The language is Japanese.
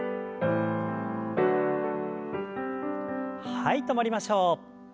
はい止まりましょう。